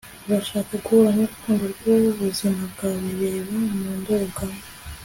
urashaka guhura nurukundo rwubuzima bwawe? reba mu ndorerwamo